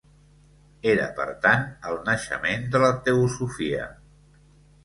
Era, per tant, el naixement de la teosofia.